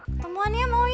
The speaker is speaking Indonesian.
ketemuan ya mau ya